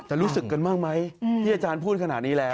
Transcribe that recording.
จะรู้สึกกันมากมั้ยที่อาจารย์พูดขนาดนี้แล้ว